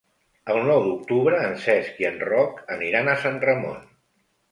El nou d'octubre en Cesc i en Roc aniran a Sant Ramon.